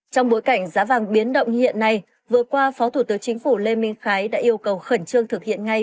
trong bối cảnh giá vàng biến động hiện nay vừa qua phó thủ tướng chính phủ lê minh khái đã yêu cầu khẩn trương thực hiện ngay